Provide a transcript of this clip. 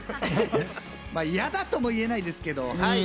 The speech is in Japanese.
まぁ嫌だとも言えないですけど、はい。